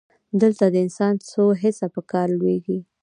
دلته د انسان څو حسه په کار لویږي.